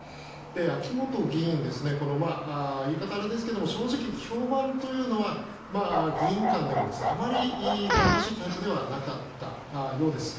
秋本議員、言い方はあれですけど正直、評判というのは議員間でもあまり芳しいタイプではなかったようです。